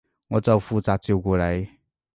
我就負責照顧你